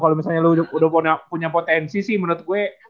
kalau misalnya lo udah punya potensi sih menurut gue